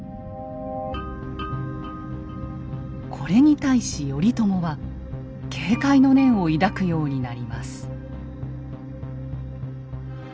これに対し頼朝は警戒の念を抱くようになります。